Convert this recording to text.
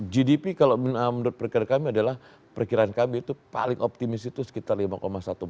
gdp kalau menurut perkiraan kami adalah perkiraan kami itu paling optimis itu sekitar lima satu persen